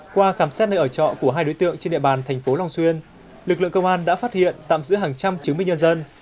qua khám xét nơi ở trọ của hai đối tượng trên địa bàn thành phố long xuyên lực lượng công an đã phát hiện tạm giữ hàng trăm chứng minh nhân dân